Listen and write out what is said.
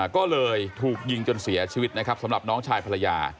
ก็เลยถูกยิงจนเสียชีวิตนะครับสำหรับน้องชายภรรยา